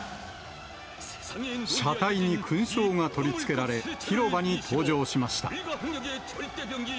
車体に勲章が取り付けられ、広場に登場しました。